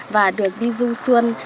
và được đi du xuân